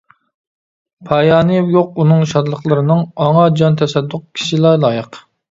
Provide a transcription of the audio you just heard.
پايانى يوق ئۇنىڭ شادلىقلىرىنىڭ، ئاڭا جان تەسەددۇق كىشىلا لايىق.